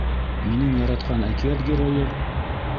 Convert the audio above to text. — Минең яратҡан әкиәт геройы?